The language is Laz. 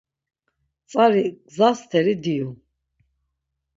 Tzari gza st̆eri diyu.